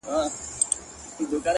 o ها ښکلې که هر څومره ما وغواړي ـ